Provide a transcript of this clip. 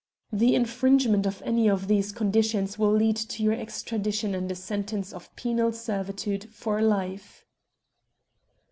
The infringement of any of these conditions will lead to your extradition and a sentence of penal servitude for life."